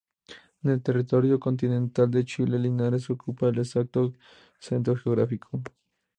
En el territorio continental de Chile, Linares ocupa el exacto centro geográfico.